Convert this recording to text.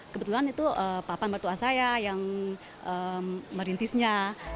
kebetulan itu papa mertua saya yang merintisnya